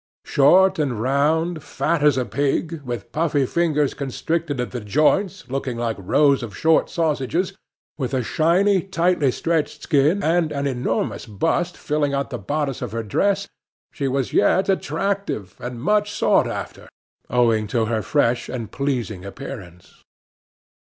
Short and round, fat as a pig, with puffy fingers constricted at the joints, looking like rows of short sausages; with a shiny, tightly stretched skin and an enormous bust filling out the bodice of her dress, she was yet attractive and much sought after, owing to her fresh and pleasing appearance.